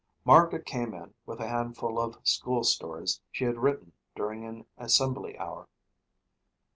Margaret came in with a handful of school stories she had written during an assembly hour.